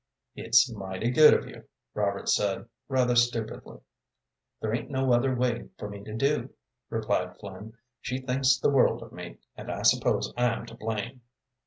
"It's mighty good of you," Robert said, rather stupidly. "There ain't no other way for me to do," replied Flynn. "She thinks the world of me, and I suppose I'm to blame."